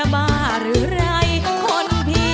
มาฟังอินโทรเพลงที่๑๐